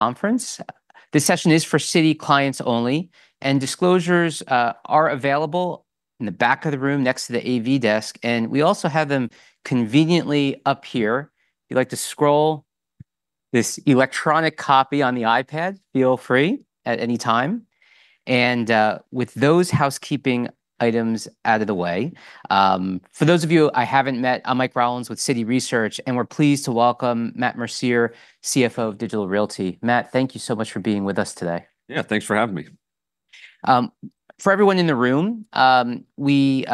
conference. This session is for Citi clients only, and disclosures are available in the back of the room next to the AV desk, and we also have them conveniently up here. If you'd like to scroll this electronic copy on the iPad, feel free at any time, and with those housekeeping items out of the way, for those of you who I haven't met, I'm Mike Rollins with Citi Research, and we're pleased to welcome Matt Mercier, CFO of Digital Realty. Matt, thank you so much for being with us today. Yeah, thanks for having me. For everyone in the room, we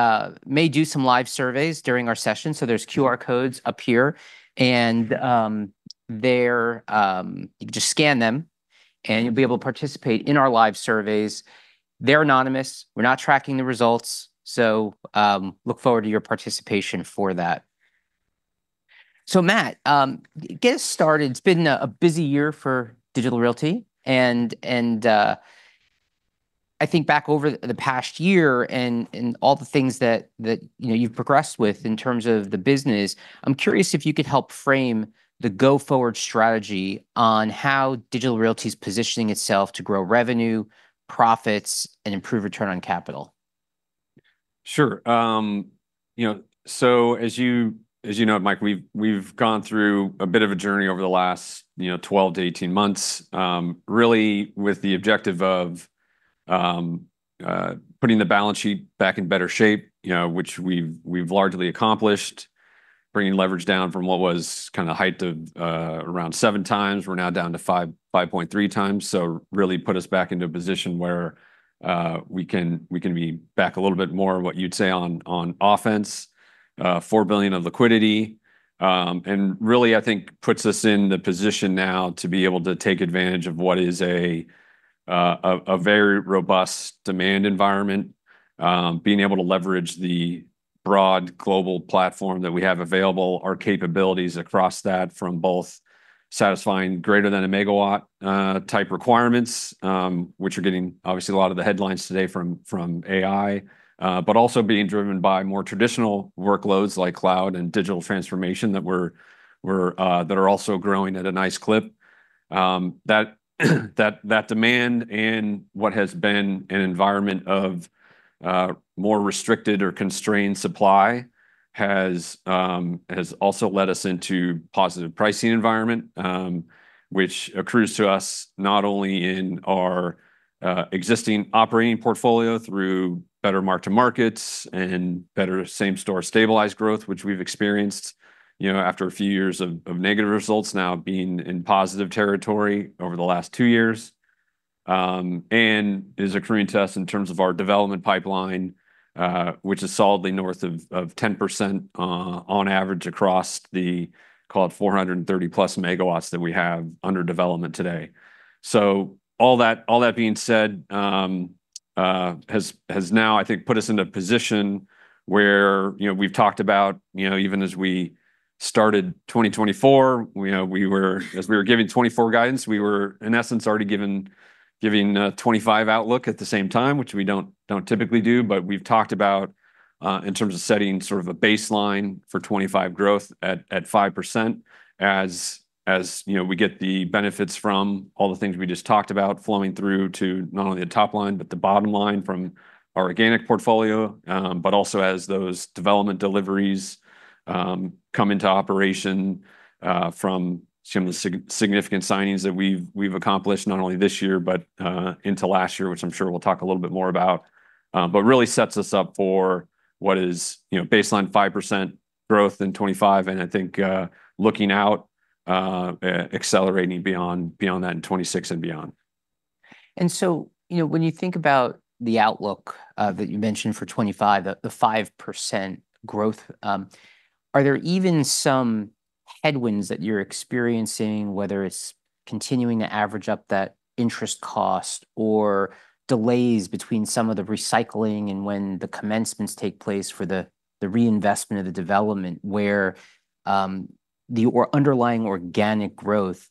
may do some live surveys during our session, so there's QR codes up here. There you can just scan them, and you'll be able to participate in our live surveys. They're anonymous. We're not tracking the results, so look forward to your participation for that. So, Matt, get us started. It's been a busy year for Digital Realty and I think back over the past year and all the things that you know you've progressed with in terms of the business. I'm curious if you could help frame the go-forward strategy on how Digital Realty's positioning itself to grow revenue, profits, and improve return on capital. Sure. You know, so as you know, Mike, we've gone through a bit of a journey over the last 12 months to 18 months, really with the objective of putting the balance sheet back in better shape, you know, which we've largely accomplished. Bringing leverage down from what was kind of the height of around seven times. We're now down to five, 5.3x, so really put us back into a position where we can be back a little bit more, what you'd say, on offense. $4 billion of liquidity, and really, I think puts us in the position now to be able to take advantage of what is a very robust demand environment. Being able to leverage the broad global platform that we have available, our capabilities across that from both satisfying greater than a megawatt type requirements, which are getting obviously a lot of the headlines today from AI, but also being driven by more traditional workloads like cloud and digital transformation that are also growing at a nice clip. That demand in what has been an environment of more restricted or constrained supply has also led us into positive pricing environment, which accrues to us not only in our existing operating portfolio through better mark to-markets and better same-store stabilized growth, which we've experienced, you know, after a few years of negative results, now being in positive territory over the last two years. and is accruing to us in terms of our development pipeline, which is solidly north of 10%, on average, across the call it 430+ MW that we have under development today. So all that being said, has now, I think, put us in a position where, you know, we've talked about, you know, even as we started 2024, you know, as we were giving 2024 guidance, we were, in essence, already giving 2025 outlook at the same time, which we don't typically do. But we've talked about in terms of setting sort of a baseline for 2025 growth at 5%, as you know, we get the benefits from all the things we just talked about flowing through to not only the top line, but the bottom line from our organic portfolio, but also as those development deliveries come into operation from some of the significant signings that we've accomplished, not only this year, but into last year, which I'm sure we'll talk a little bit more about, but really sets us up for what is, you know, baseline 5% growth in 2025, and I think looking out accelerating beyond that in 2026 and beyond. So, you know, when you think about the outlook that you mentioned for 2025, the 5% growth, are there even some headwinds that you're experiencing, whether it's continuing to average up that interest cost or delays between some of the recycling and when the commencements take place for the reinvestment of the development, where the underlying organic growth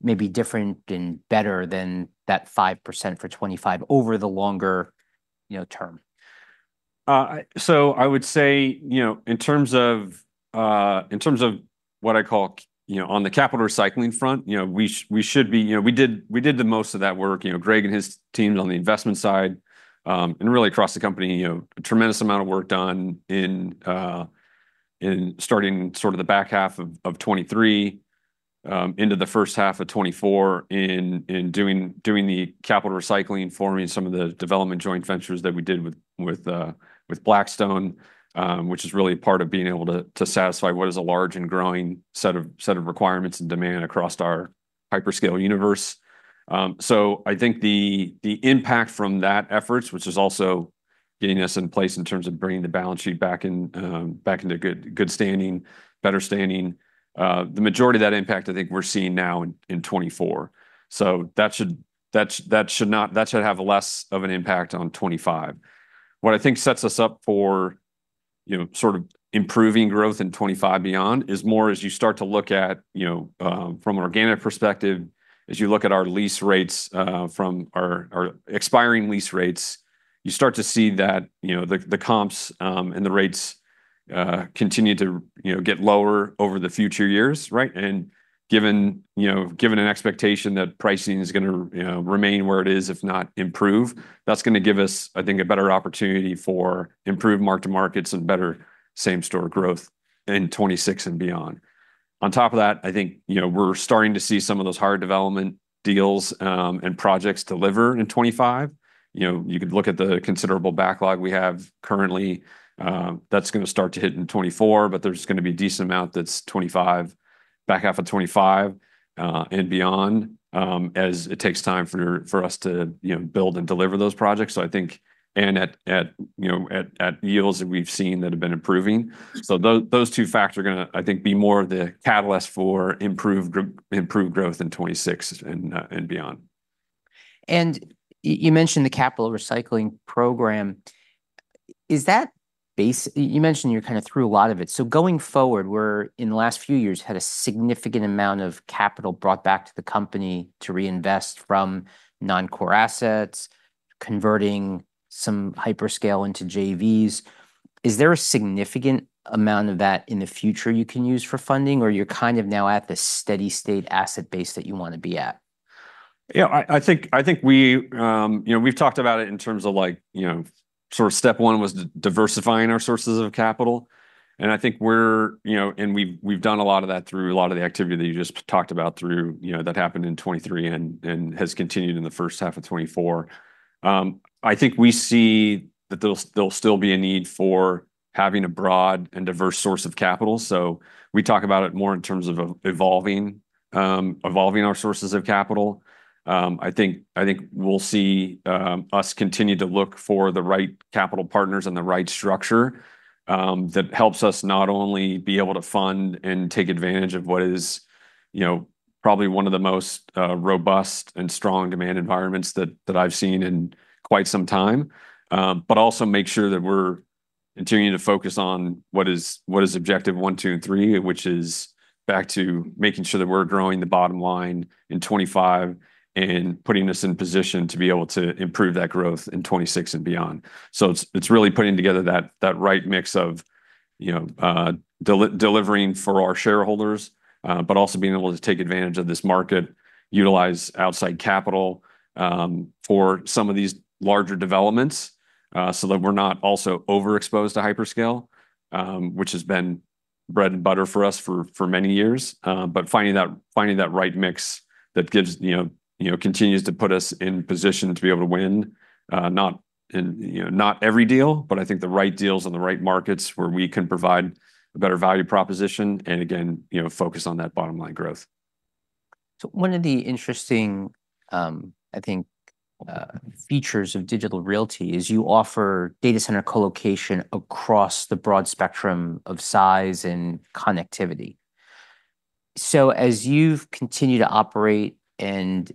may be different and better than that 5% for 2025 over the longer, you know, term? I would say, you know, in terms of, in terms of what I call, you know, on the capital recycling front, you know, we did the most of that work. You know, Greg and his teams on the investment side, and really across the company, you know, a tremendous amount of work done in starting sort of the back half of 2023, into the first half of 2024 in doing the capital recycling, forming some of the development joint ventures that we did with Blackstone, which is really a part of being able to satisfy what is a large and growing set of requirements and demand across our hyperscale universe. So I think the impact from that efforts, which is also getting us in place in terms of bringing the balance sheet back in, back into good standing, better standing, the majority of that impact, I think we're seeing now in 2024. So that should have less of an impact on 2025. What I think sets us up for, you know, sort of improving growth in 2025 beyond, is more as you start to look at, you know, from organic perspective, as you look at our lease rates, from our expiring lease rates, you start to see that, you know, the comps and the rates continue to, you know, get lower over the future years, right? And given, you know, an expectation that pricing is gonna, you know, remain where it is, if not improve, that's gonna give us, I think, a better opportunity for improved mark-to-markets and better same-store growth in 2026 and beyond. On top of that, I think, you know, we're starting to see some of those hard development deals and projects deliver in 2025. You know, you could look at the considerable backlog we have currently. That's gonna start to hit in 2024, but there's gonna be a decent amount that's 2025, back half of 2025, and beyond, as it takes time for us to, you know, build and deliver those projects. So I think and at yields that we've seen that have been improving. Those two facts are gonna, I think, be more the catalyst for improved growth in 2026 and beyond. You mentioned the capital recycling program. Is that you mentioned you're kind of through a lot of it? So going forward, we're in the last few years had a significant amount of capital brought back to the company to reinvest from non-core assets, converting some hyperscale into JVs. Is there a significant amount of that in the future you can use for funding, or you're kind of now at the steady state asset base that you want to be at? Yeah, I think we. You know, we've talked about it in terms of, like, you know, sort of step one was diversifying our sources of capital, and I think we're and we've done a lot of that through a lot of the activity that you just talked about through that happened in 2023 and has continued in the first half of 2024. I think we see that there'll still be a need for having a broad and diverse source of capital, so we talk about it more in terms of of evolving our sources of capital. I think we'll see us continue to look for the right capital partners and the right structure that helps us not only be able to fund and take advantage of what is, you know, probably one of the most robust and strong demand environments that I've seen in quite some time, but also make sure that we're continuing to focus on what is objective one, two, and three, which is back to making sure that we're growing the bottom line in 2025 and putting us in position to be able to improve that growth in 2026 and beyond. So it's really putting together that right mix of, you know, delivering for our shareholders, but also being able to take advantage of this market, utilize outside capital, for some of these larger developments, so that we're not also overexposed to hyperscale, which has been bread and butter for us for many years. But finding that right mix that gives, you know, continues to put us in position to be able to win, not in, you know, not every deal, but I think the right deals and the right markets where we can provide a better value proposition, and again, you know, focus on that bottom line growth. So one of the interesting, I think, features of Digital Realty is you offer data center colocation across the broad spectrum of size and connectivity. So as you've continued to operate and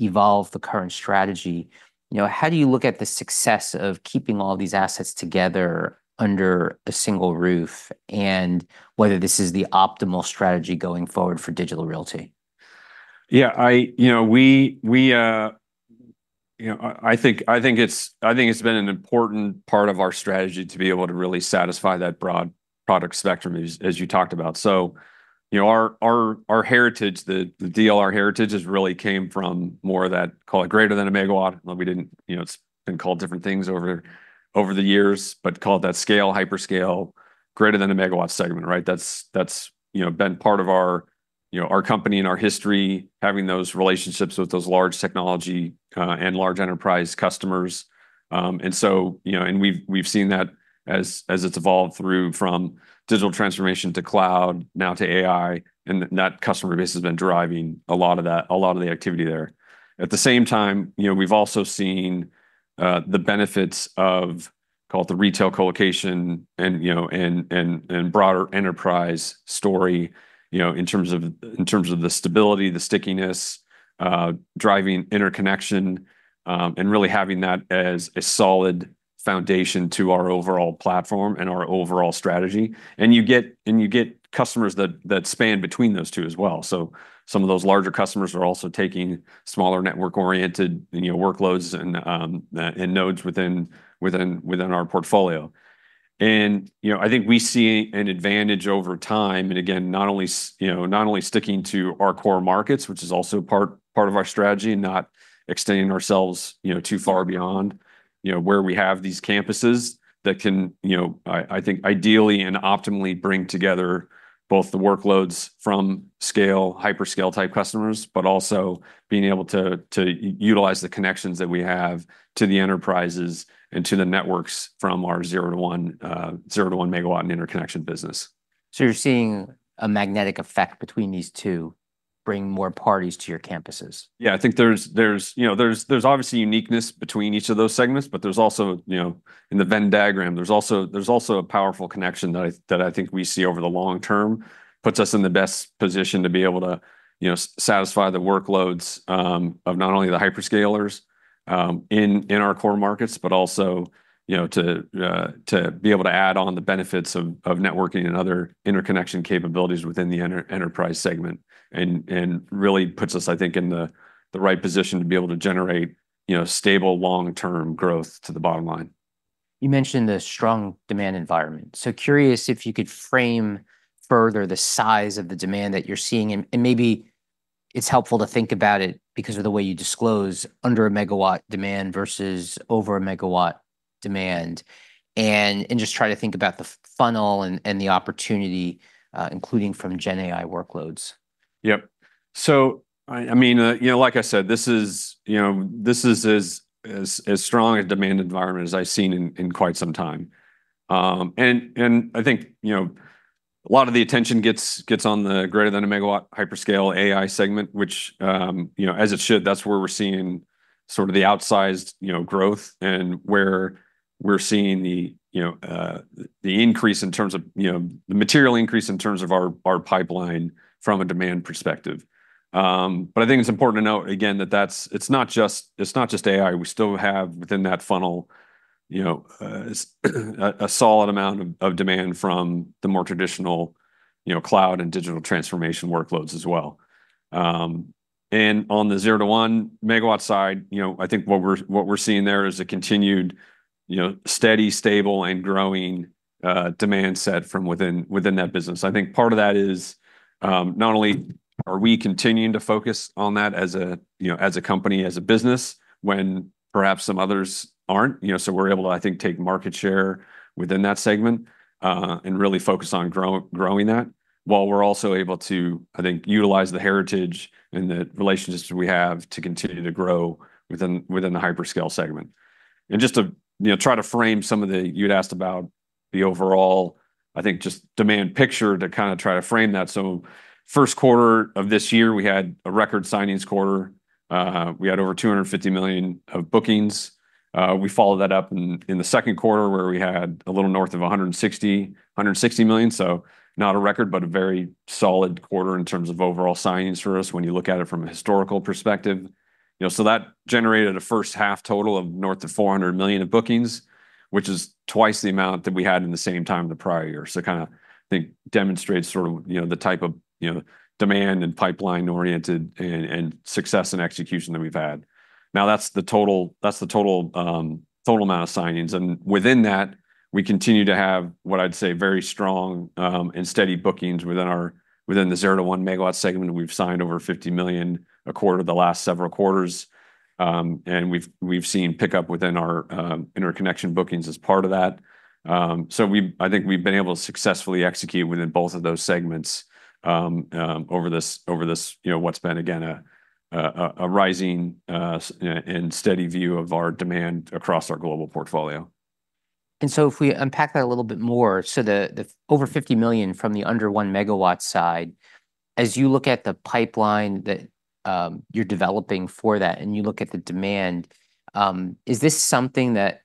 evolve the current strategy, you know, how do you look at the success of keeping all these assets together under a single roof and whether this is the optimal strategy going forward for Digital Realty? Yeah, you know, I think it's been an important part of our strategy to be able to really satisfy that broad product spectrum, as you talked about. So, you know, our heritage, the DLR heritage, has really came from more of that, call it greater than a megawatt. You know, it's been called different things over the years, but call it that scale, hyperscale, greater than a megawatt segment, right? That's you know, been part of our company and our history, having those relationships with those large technology and large enterprise customers. And so, you know, and we've seen that as it's evolved through from digital transformation to cloud, now to AI, and that customer base has been driving a lot of that, a lot of the activity there. At the same time, you know, we've also seen the benefits of, call it the retail colocation and, you know, and broader enterprise story, you know, in terms of the stability, the stickiness, driving interconnection, and really having that as a solid foundation to our overall platform and our overall strategy. And you get customers that span between those two as well, so some of those larger customers are also taking smaller network-oriented, you know, workloads and nodes within our portfolio. You know, I think we see an advantage over time, and again, not only sticking to our core markets, which is also part of our strategy, and not extending ourselves, you know, too far beyond, you know, where we have these campuses that can, you know, I think, ideally and optimally bring together both the workloads from scale, hyperscale-type customers, but also being able to utilize the connections that we have to the enterprises and to the networks from our zero to one megawatt and interconnection business. You're seeing a magnet effect between these two, bringing more parties to your campuses? Yeah, I think there's, you know, there's obviously uniqueness between each of those segments, but there's also, you know, in the Venn diagram, there's also a powerful connection that I think we see over the long term. Puts us in the best position to be able to, you know, satisfy the workloads of not only the hyperscalers in our core markets, but also, you know, to be able to add on the benefits of networking and other interconnection capabilities within the enterprise segment, and really puts us, I think, in the right position to be able to generate you know, stable, long-term growth to the bottom line. You mentioned the strong demand environment, so curious if you could frame further the size of the demand that you're seeing, and maybe it's helpful to think about it because of the way you disclose under a megawatt demand versus over a megawatt demand. And just try to think about the funnel and the opportunity, including from Gen AI workloads. Yep, so I mean, you know, like I said, this is, you know, this is as strong a demand environment as I've seen in quite some time, and I think, you know, a lot of the attention gets on the greater than a megawatt hyperscale AI segment, which, you know, as it should. That's where we're seeing sort of the outsized, you know, growth and where we're seeing the increase in terms of, you know, the material increase in terms of our pipeline from a demand perspective, but I think it's important to note again, that that's - it's not just AI. We still have, within that funnel, you know, a solid amount of demand from the more traditional, you know, cloud and digital transformation workloads as well. And on the zero to one megawatt side, you know, I think what we're seeing there is a continued, you know, steady, stable, and growing demand set from within that business. I think part of that is, not only are we continuing to focus on that as a, you know, as a company, as a business, when perhaps some others aren't. You know, so we're able to, I think, take market share within that segment, and really focus on growing that, while we're also able to, I think, utilize the heritage and the relationships we have to continue to grow within the hyperscale segment. And just to, you know, try to frame some of the... You'd asked about the overall, I think, just demand picture to kind of try to frame that. First quarter of this year, we had a record signings quarter. We had over $250 million of bookings. We followed that up in the second quarter, where we had a little north of $160 million. Not a record, but a very solid quarter in terms of overall signings for us, when you look at it from a historical perspective. You know, that generated a first-half total of north of $400 million of bookings, which is twice the amount that we had in the same time the prior year. Kind of, I think, demonstrates sort of, you know, the type of, you know, demand and pipeline-oriented and success and execution that we've had. Now, that's the total amount of signings, and within that, we continue to have what I'd say very strong and steady bookings within the 0 to 1 megawatt segment. We've signed over $50 million a quarter the last several quarters, and we've seen pick-up within our interconnection bookings as part of that. So we've, I think we've been able to successfully execute within both of those segments, over this, you know, what's been, again, a rising and steady view of our demand across our global portfolio. And so if we unpack that a little bit more, so the over $50 million from the under one megawatt side, as you look at the pipeline that you're developing for that, and you look at the demand, is this something that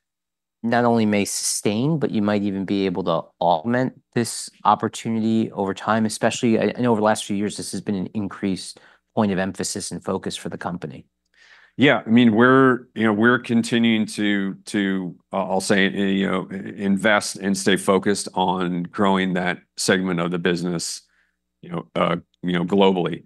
not only may sustain, but you might even be able to augment this opportunity over time? Especially, and over the last few years, this has been an increased point of emphasis and focus for the company. Yeah, I mean, we're, you know, we're continuing to I'll say, you know, invest and stay focused on growing that segment of the business, you know, you know, globally.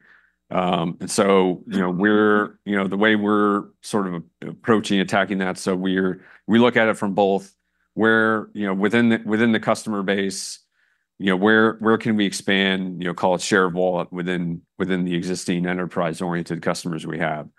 And so, you know, we're. You know, the way we're sort of approaching, attacking that, we look at it from both where, you know, within the customer base, you know, where can we expand, you know, call it share of wallet, within the existing enterprise-oriented customers we have?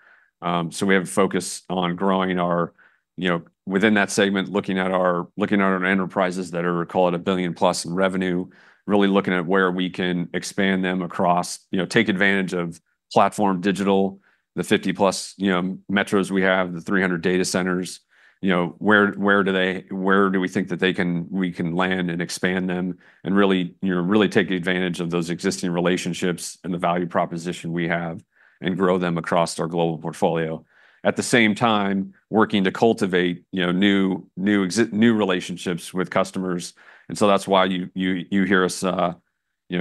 So we have a focus on growing our, you know, within that segment, looking at our enterprises that are, call it, a billion-plus in revenue. Really looking at where we can expand them across, you know, take advantage of PlatformDIGITAL, the 50+, you know, metros we have, the 300 data centers. You know, where do we think that we can land and expand them, and really, you know, really take advantage of those existing relationships and the value proposition we have, and grow them across our global portfolio? At the same time, working to cultivate, you know, new relationships with customers, and so that's why you hear us, you know,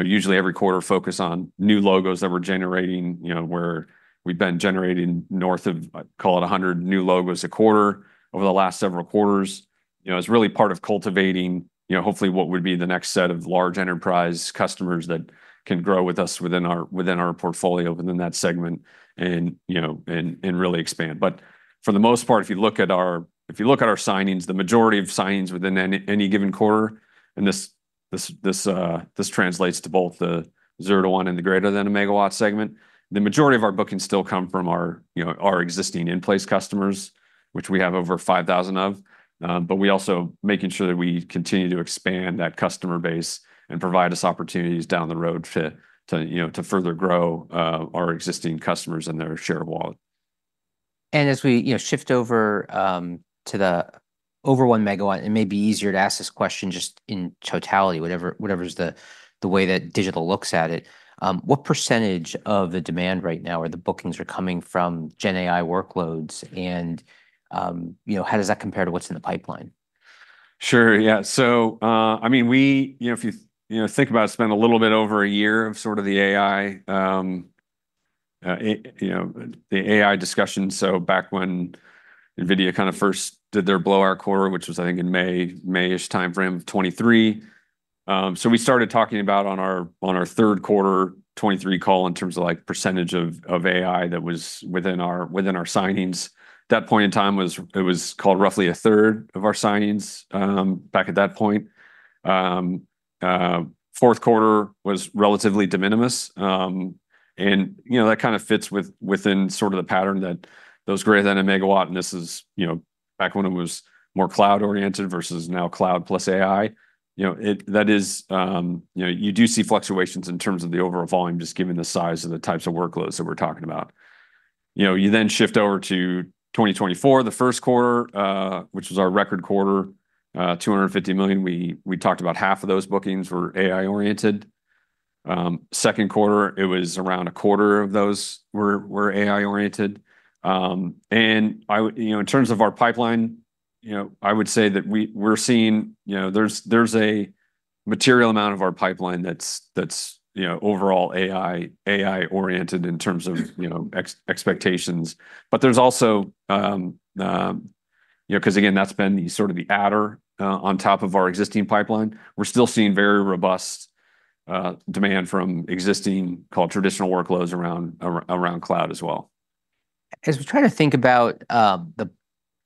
usually every quarter, focus on new logos that we're generating, you know, where we've been generating north of, call it, a hundred new logos a quarter over the last several quarters. You know, it's really part of cultivating, you know, hopefully what would be the next set of large enterprise customers that can grow with us within our, within our portfolio, within that segment, and, you know, and, and really expand. But for the most part, if you look at our signings, the majority of signings within any given quarter, and this translates to both the zero to one and the greater than a megawatt segment. The majority of our bookings still come from our, you know, our existing in-place customers, which we have over 5,000 of, but we're also making sure that we continue to expand that customer base and provide us opportunities down the road to, you know, to further grow our existing customers and their share of wallet. As we, you know, shift over to the over one megawatt, it may be easier to ask this question just in totality, whatever is the way that Digital looks at it. What percentage of the demand right now or the bookings are coming from Gen AI workloads and, you know, how does that compare to what's in the pipeline? Sure, yeah. So, I mean, we... You know, if you, you know, think about it, it's been a little bit over a year of sort of the AI, you know, the AI discussion. So back when NVIDIA kind of first did their blow-out quarter, which was, I think, in May, May-ish timeframe of 2023-... So we started talking about on our, on our third quarter 2023 call in terms of, like, percentage of, of AI that was within our, within our signings. That point in time was- it was called roughly a third of our signings, back at that point. Fourth quarter was relatively de minimis. And, you know, that kind of fits with- within sort of the pattern that those greater than a megawatt, and this is, you know, back when it was more cloud-oriented versus now cloud plus AI. You know, that is, you know, you do see fluctuations in terms of the overall volume, just given the size of the types of workloads that we're talking about. You know, you then shift over to 2024, the first quarter, which was our record quarter, $250 million. We talked about half of those bookings were AI-oriented. Second quarter, it was around a quarter of those were AI-oriented. And I, you know, in terms of our pipeline, you know, I would say that we're seeing, you know, there's a material amount of our pipeline that's, you know, overall AI-oriented in terms of, you know, expectations. But there's also, you know, 'cause again, that's been the sort of adder on top of our existing pipeline. We're still seeing very robust demand from existing, call it traditional workloads around cloud as well. As we try to think about the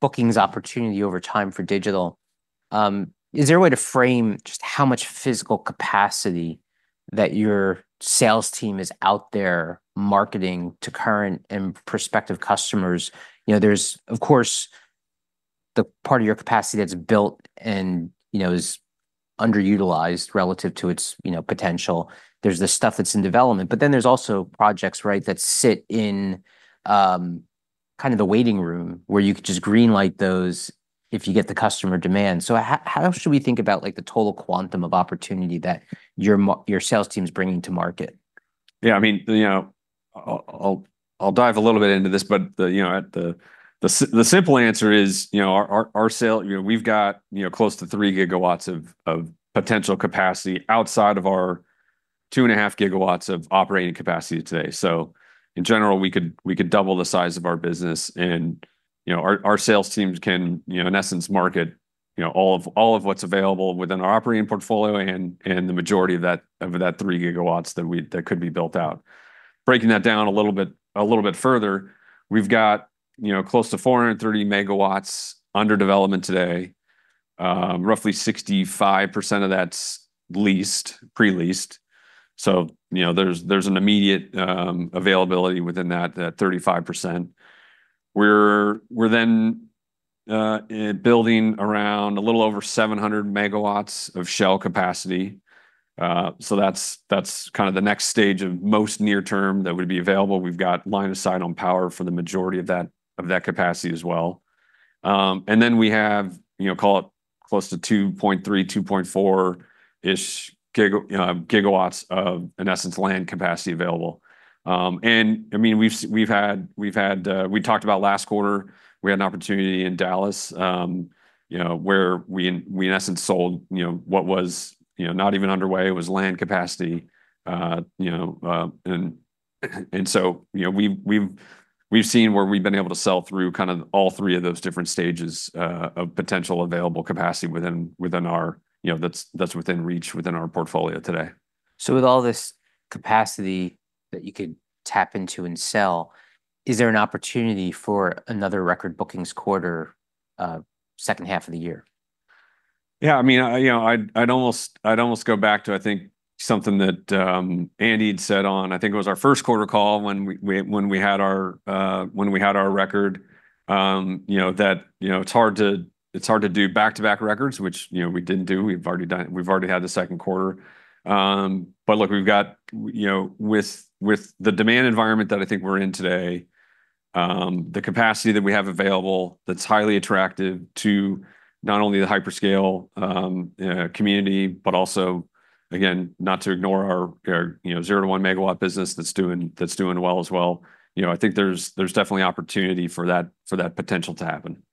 bookings opportunity over time for Digital, is there a way to frame just how much physical capacity that your sales team is out there marketing to current and prospective customers? You know, there's, of course, the part of your capacity that's built and, you know, is underutilized relative to its, you know, potential. There's the stuff that's in development, but then there's also projects, right, that sit in kind of the waiting room, where you could just greenlight those if you get the customer demand. So how should we think about, like, the total quantum of opportunity that your sales team's bringing to market? Yeah, I mean, you know, I'll dive a little bit into this, but the simple answer is, you know, our sales, you know, we've got, you know, close to 3 GW of potential capacity outside of our 2.5 GW of operating capacity today. So in general, we could double the size of our business and, you know, our sales teams can, you know, in essence, market, you know, all of what's available within our operating portfolio and the majority of that 3 GW that could be built out. Breaking that down a little bit further, we've got, you know, close to 430 MW under development today. Roughly 65% of that's leased, pre-leased, so, you know, there's an immediate availability within that 35%. We're then building around a little over 700 MW of shell capacity. So that's kind of the next stage of most near-term that would be available. We've got line-of-sight on power for the majority of that capacity as well. And then we have, you know, call it close to 2.3 GW, 2.4-ish GW of, in essence, land capacity available. And I mean, we've had. We've had. We talked about last quarter, we had an opportunity in Dallas, you know, where we in essence sold, you know, what was, you know, not even underway. It was land capacity. You know, and so, you know, we've seen where we've been able to sell through kind of all three of those different stages of potential available capacity within our... You know, that's within reach within our portfolio today. So with all this capacity that you could tap into and sell, is there an opportunity for another record bookings quarter, second half of the year? Yeah, I mean, you know, I'd almost go back to, I think, something that Andy had said on, I think it was our first quarter call, when we had our record. You know, that, you know, it's hard to do back-to-back records, which, you know, we didn't do. We've already had the second quarter. But look, we've got, you know, with the demand environment that I think we're in today, the capacity that we have available, that's highly attractive to not only the hyperscale community, but also, again, not to ignore our, you know, zero to one megawatt business that's doing well as well. You know, I think there's definitely opportunity for that potential to happen.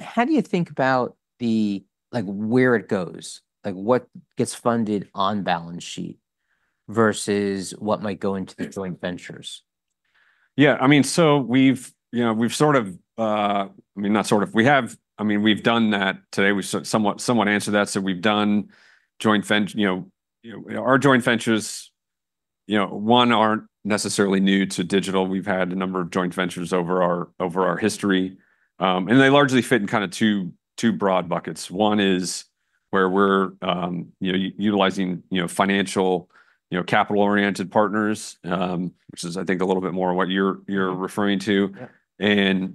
How do you think about the, like, where it goes? Like, what gets funded on balance sheet versus what might go into the joint ventures? Yeah, I mean, so we've, you know, we've sort of. I mean, not sort of. We have, I mean, we've done that today. We somewhat answered that. So we've done joint venture, you know, our joint ventures, you know, one, aren't necessarily new to Digital. We've had a number of joint ventures over our history. And they largely fit in kind of two broad buckets. One is where we're, you know, utilizing, you know, financial, you know, capital-oriented partners, which is, I think, a little bit more what you're referring to. Yeah.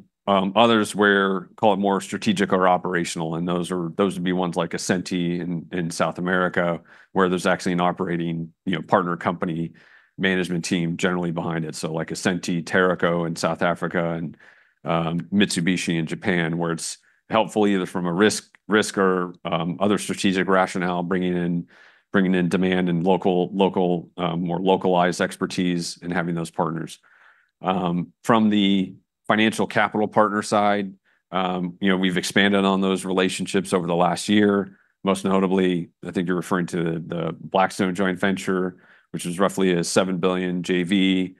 Others where, call it more strategic or operational, and those are those would be ones like Ascenty in South America, where there's actually an operating, you know, partner company management team generally behind it. So like Ascenty, Teraco in South Africa, and Mitsubishi in Japan, where it's helpful either from a risk or other strategic rationale, bringing in demand and local more localized expertise in having those partners. From the financial capital partner side, you know, we've expanded on those relationships over the last year. Most notably, I think you're referring to the Blackstone joint venture, which is roughly a $7 billion JV.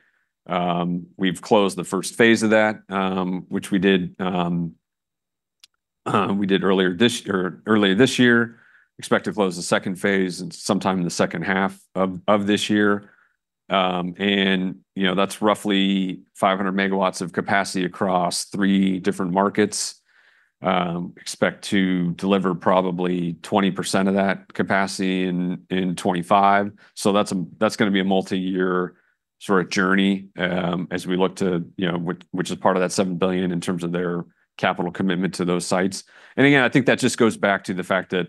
We've closed the first phase of that, which we did earlier this year. Expect to close the second phase in sometime in the second half of this year. And, you know, that's roughly 500 MW of capacity across three different markets. Expect to deliver probably 20% of that capacity in 2025. So that's gonna be a multi-year sort of journey, as we look to, you know, which is part of that $7 billion in terms of their capital commitment to those sites. And again, I think that just goes back to the fact that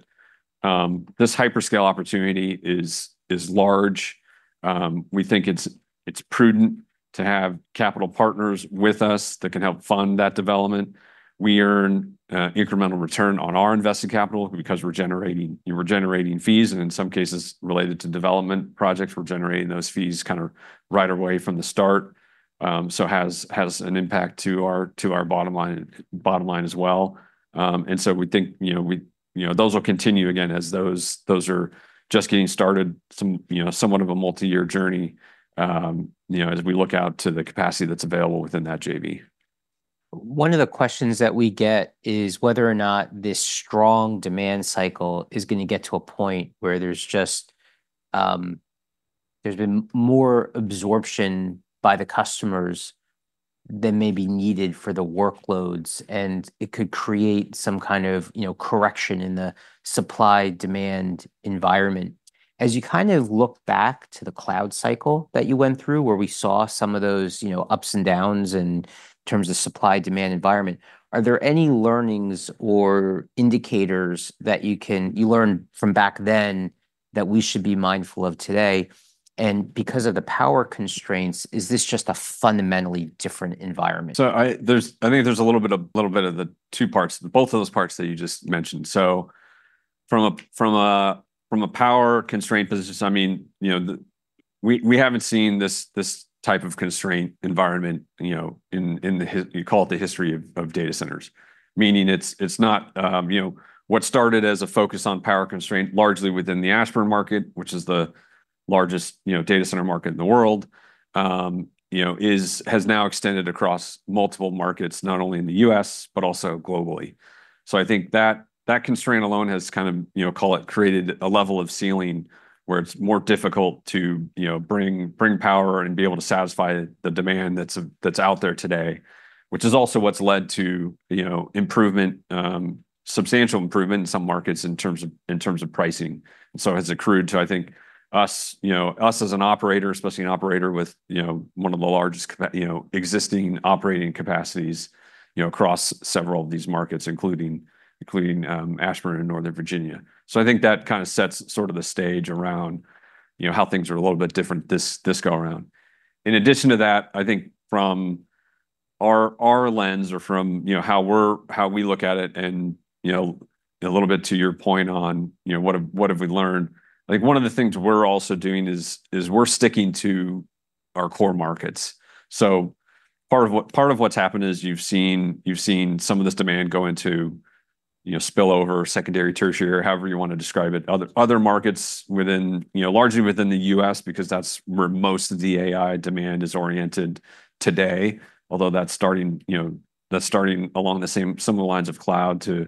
this hyperscale opportunity is large. We think it's prudent to have capital partners with us that can help fund that development. We earn incremental return on our invested capital because we're generating fees, and in some cases, related to development projects, we're generating those fees kind of right away from the start. So has an impact to our bottom line as well. And so we think, you know, you know, those will continue again as those are just getting started. You know, somewhat of a multi-year journey, you know, as we look out to the capacity that's available within that JV. One of the questions that we get is whether or not this strong demand cycle is gonna get to a point where there's just, there's been more absorption by the customers than may be needed for the workloads, and it could create some kind of, you know, correction in the supply-demand environment. As you kind of look back to the cloud cycle that you went through, where we saw some of those, you know, ups and downs in terms of supply-demand environment, are there any learnings or indicators that you learned from back then that we should be mindful of today, and because of the power constraints, is this just a fundamentally different environment? I think there's a little bit of the two parts, both of those parts that you just mentioned. So from a power constraint position, I mean, you know, we haven't seen this type of constraint environment, you know, in the history of data centers. Meaning, it's not. You know, what started as a focus on power constraint, largely within the Ashburn market, which is the largest data center market in the world, you know, has now extended across multiple markets, not only in the U.S., but also globally. So I think that that constraint alone has kind of, you know, call it, created a level of ceiling where it's more difficult to, you know, bring power and be able to satisfy the demand that's out there today, which is also what's led to, you know, improvement, substantial improvement in some markets in terms of pricing. So has accrued to, I think, us, you know, us as an operator, especially an operator with, you know, one of the largest existing operating capacities, you know, across several of these markets, including Ashburn and Northern Virginia. So I think that kind of sets sort of the stage around, you know, how things are a little bit different this go around. In addition to that, I think from our lens or from, you know, how we're- how we look at it, and, you know, a little bit to your point on, you know, what have we learned? I think one of the things we're also doing is we're sticking to our core markets. So part of what, part of what's happened is you've seen some of this demand go into, you know, spillover, secondary, tertiary, or however you want to describe it, other markets within, you know, largely within the U.S., because that's where most of the AI demand is oriented today. Although that's starting, you know, along the same, some of the lines of cloud to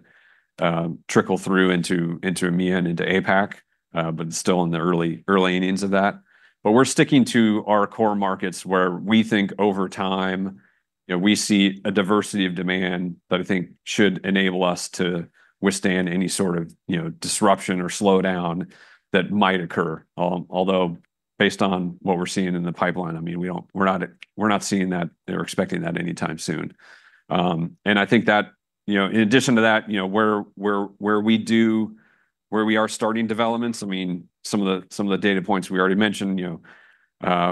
trickle through into EMEA and into APAC, but still in the early innings of that. But we're sticking to our core markets, where we think over time, you know, we see a diversity of demand that I think should enable us to withstand any sort of, you know, disruption or slowdown that might occur. Although based on what we're seeing in the pipeline, I mean, we're not seeing that or expecting that anytime soon, and I think that, you know, in addition to that, you know, where we are starting developments, I mean, some of the data points we already mentioned, you know,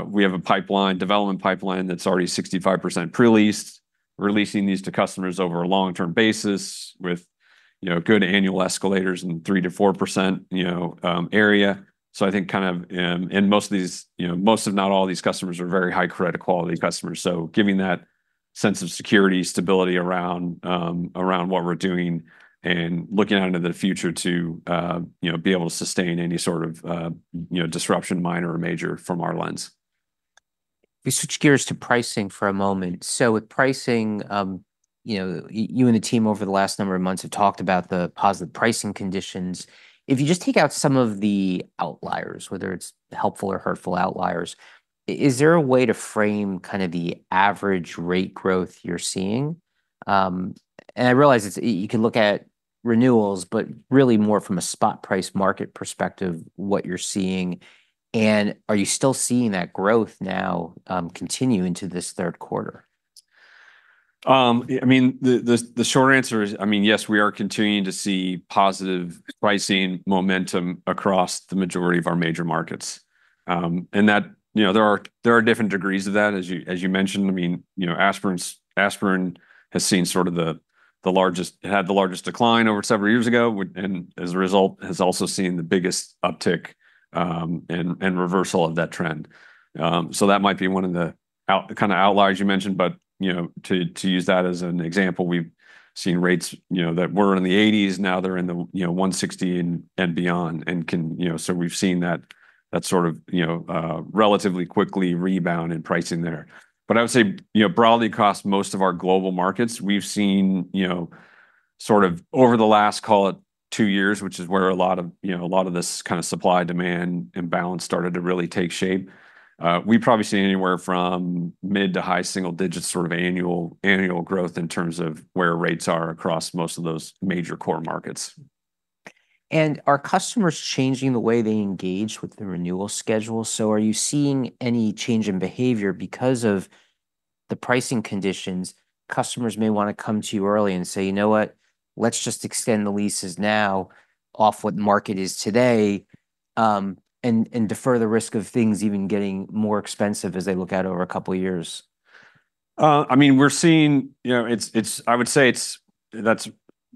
we have a development pipeline that's already 65% pre-leased. We're leasing these to customers over a long-term basis with, you know, good annual escalators and 3%-4%, you know, area. So I think kind of, and most of these, you know, most if not all these customers, are very high credit quality customers. So giving that sense of security, stability around what we're doing and looking out into the future to, you know, be able to sustain any sort of, you know, disruption, minor or major, from our lens. We switch gears to pricing for a moment. So with pricing, you know, you and the team over the last number of months have talked about the positive pricing conditions. If you just take out some of the outliers, whether it's helpful or hurtful outliers, is there a way to frame kind of the average rate growth you're seeing? And I realize it's you can look at renewals, but really more from a spot price market perspective, what you're seeing, and are you still seeing that growth now continue into this third quarter? I mean, the short answer is, I mean, yes, we are continuing to see positive pricing momentum across the majority of our major markets, and that, you know, there are different degrees of that, as you mentioned. I mean, you know, Ashburn has seen sort of the largest, it had the largest decline over several years ago, and as a result, has also seen the biggest uptick and reversal of that trend, so that might be one of the kind of outliers you mentioned, but, you know, to use that as an example, we've seen rates, you know, that were in the 80s, now they're in the 160 and beyond. You know, so we've seen that, that sort of, you know, relatively quickly rebound in pricing there. But I would say, you know, broadly across most of our global markets, we've seen, you know, sort of over the last, call it, two years, which is where a lot of, you know, a lot of this kind of supply-demand imbalance started to really take shape. We've probably seen anywhere from mid to high single digits, sort of annual growth in terms of where rates are across most of those major core markets. Are customers changing the way they engage with the renewal schedule? So are you seeing any change in behavior because of the pricing conditions? Customers may wanna come to you early and say, "You know what? Let's just extend the leases now off what the market is today," and defer the risk of things even getting more expensive as they look out over a couple of years? I mean, we're seeing, you know, it's, I would say it's, that's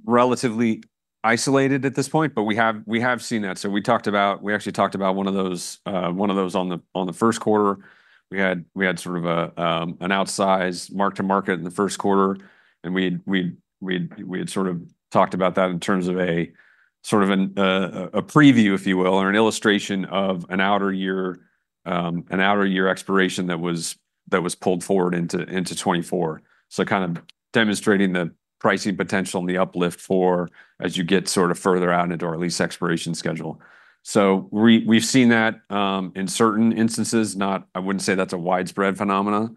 relatively isolated at this point, but we have seen that. So we talked about, we actually talked about one of those on the first quarter. We had sort of an outsized mark-to-market in the first quarter, and we had sort of talked about that in terms of sort of a preview, if you will, or an illustration of an outer year expiration that was pulled forward into 2024. So kind of demonstrating the pricing potential and the uplift for as you get sort of further out into our lease expiration schedule. So we've seen that in certain instances, not... I wouldn't say that's a widespread phenomena.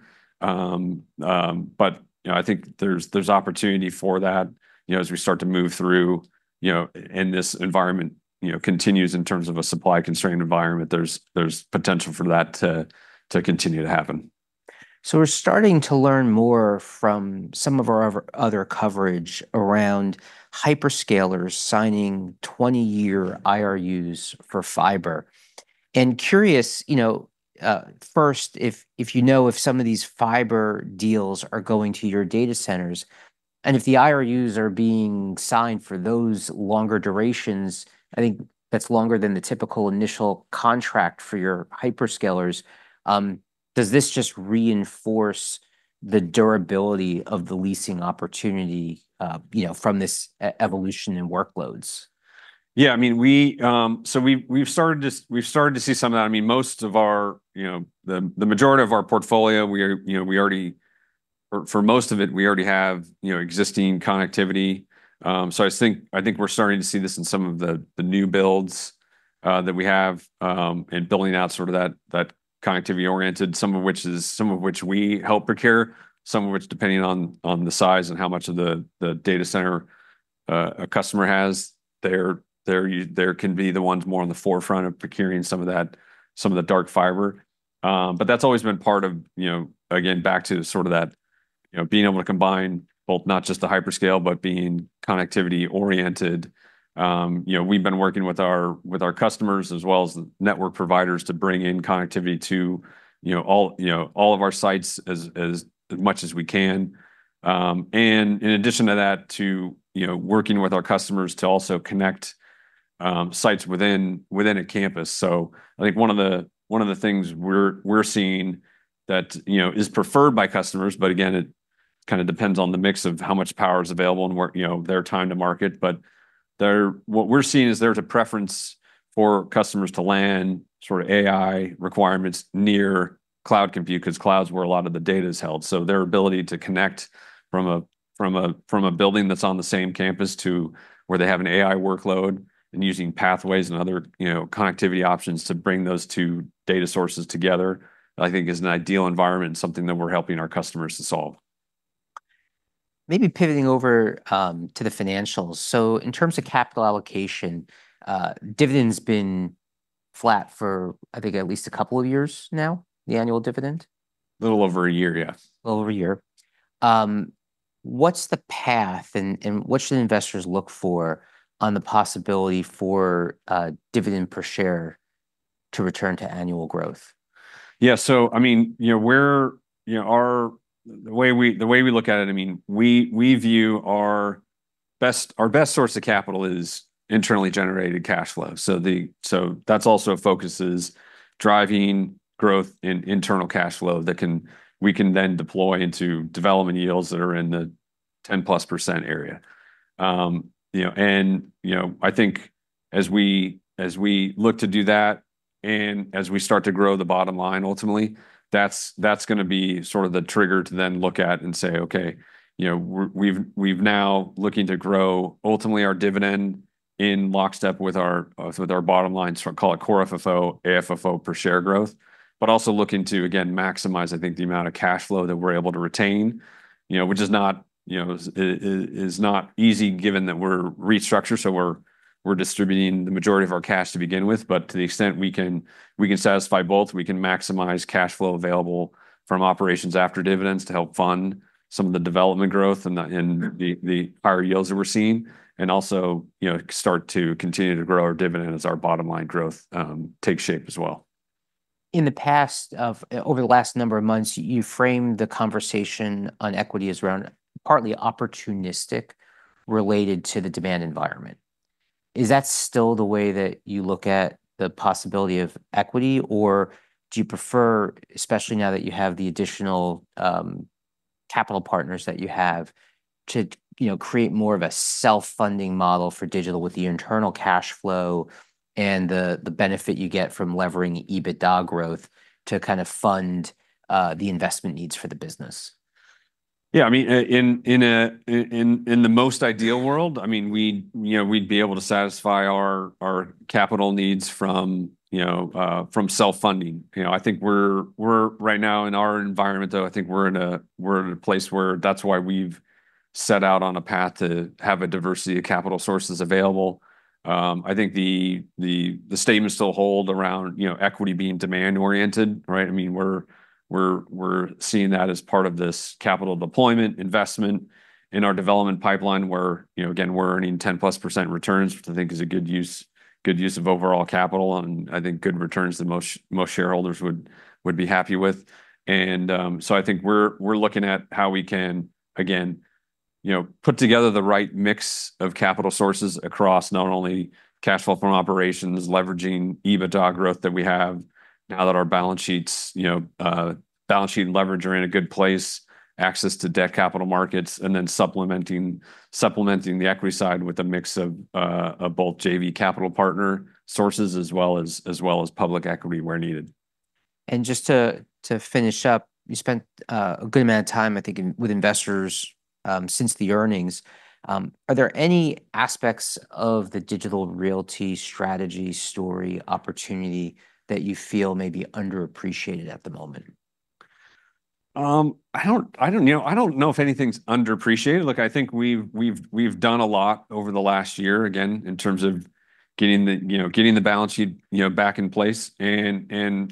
But, you know, I think there's opportunity for that, you know, as we start to move through, you know, and this environment, you know, continues in terms of a supply-constrained environment. There's potential for that to continue to happen. So we're starting to learn more from some of our other coverage around hyperscalers signing twenty-year IRUs for fiber. And curious, you know, first, if you know if some of these fiber deals are going to your data centers, and if the IRUs are being signed for those longer durations, I think that's longer than the typical initial contract for your hyperscalers. Does this just reinforce the durability of the leasing opportunity, you know, from this evolution in workloads? Yeah, I mean, we, so we've started to see some of that. I mean, most of our, you know, the majority of our portfolio, we are, you know, we already... For most of it, we already have, you know, existing connectivity. So I think we're starting to see this in some of the new builds that we have in building out sort of that connectivity-oriented, some of which we help procure, some of which, depending on the size and how much of the data center a customer has, there can be the ones more on the forefront of procuring some of that, some of the dark fiber. But that's always been part of, you know, again, back to sort of that, you know, being able to combine both not just the hyperscale, but being connectivity oriented. You know, we've been working with our customers, as well as the network providers, to bring in connectivity to, you know, all of our sites as much as we can. And in addition to that, you know, working with our customers to also connect sites within a campus. So I think one of the things we're seeing that, you know, is preferred by customers, but again, it kind of depends on the mix of how much power is available and, you know, their time to market. But there, what we're seeing is there's a preference for customers to land sort of AI requirements near cloud compute, 'cause cloud's where a lot of the data is held. So their ability to connect from a building that's on the same campus to where they have an AI workload, and using pathways and other, you know, connectivity options to bring those two data sources together, I think is an ideal environment and something that we're helping our customers to solve. Maybe pivoting over to the financials. So in terms of capital allocation, dividend's been flat for, I think, at least a couple of years now, the annual dividend? A little over a year, yes. A little over a year. What's the path, and what should investors look for on the possibility for a dividend per share to return to annual growth? Yeah, so I mean, you know, we're, you know, our... The way we, the way we look at it, I mean, we, we view our best, our best source of capital is internally generated cash flow. So so that's also focuses driving growth in internal cash flow that can, we can then deploy into development yields that are in the 10+% area. You know, and, you know, I think as we, as we look to do that, and as we start to grow the bottom line, ultimately, that's, that's gonna be sort of the trigger to then look at and say, "Okay, you know, we're, we've, we've now looking to grow ultimately our dividend in lockstep with our, with our bottom line," call it Core FFO, AFFO per share growth. But also looking to, again, maximize, I think, the amount of cash flow that we're able to retain, you know, which is not easy, given that we're restructured, so we're distributing the majority of our cash to begin with. But to the extent we can, we can satisfy both, we can maximize cash flow available from operations after dividends to help fund some of the development growth and the higher yields that we're seeing, and also, you know, start to continue to grow our dividend as our bottom line growth takes shape as well. In the past of over the last number of months, you framed the conversation on equity as around partly opportunistic, related to the demand environment. Is that still the way that you look at the possibility of equity, or do you prefer, especially now that you have the additional capital partners that you have, to, you know, create more of a self-funding model for Digital with the internal cash flow and the benefit you get from levering EBITDA growth to kind of fund the investment needs for the business? ... Yeah, I mean, in the most ideal world, I mean, we'd, you know, we'd be able to satisfy our capital needs from, you know, from self-funding. You know, I think we're right now in our environment, though, I think we're in a place where that's why we've set out on a path to have a diversity of capital sources available. I think the statements still hold around, you know, equity being demand-oriented, right? I mean, we're seeing that as part of this capital deployment investment in our development pipeline, where, you know, again, we're earning 10+% returns, which I think is a good use of overall capital, and I think good returns that most shareholders would be happy with. I think we're looking at how we can, again, you know, put together the right mix of capital sources across not only cash flow from operations, leveraging EBITDA growth that we have now that our balance sheets, you know, balance sheet and leverage are in a good place, access to debt capital markets, and then supplementing the equity side with a mix of both JV capital partner sources, as well as public equity where needed. Just to finish up, you spent a good amount of time, I think, in with investors since the earnings. Are there any aspects of the Digital Realty strategy story opportunity that you feel may be underappreciated at the moment? I don't know if anything's underappreciated. Look, I think we've done a lot over the last year, again, in terms of getting the balance sheet, you know, back in place. And you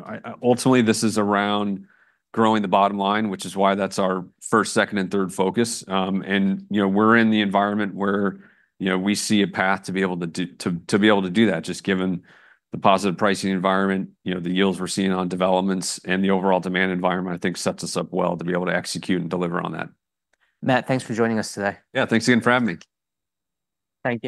know, ultimately, this is around growing the bottom line, which is why that's our first, second, and third focus. And you know, we're in the environment where, you know, we see a path to be able to do that, just given the positive pricing environment, you know, the yields we're seeing on developments and the overall demand environment. I think sets us up well to be able to execute and deliver on that. Matt, thanks for joining us today. Yeah, thanks again for having me. Thank you.